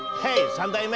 ３代目！